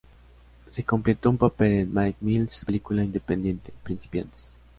Se completó un papel en Mike Mills película independiente ',"Principiantes.